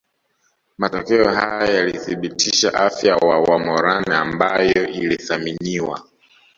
Matokeo haya yalithibitisha afya wa wamoran ambayo ilitathminiwa